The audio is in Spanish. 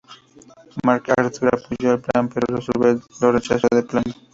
MacArthur apoyó el plan, pero Roosevelt lo rechazó de plano.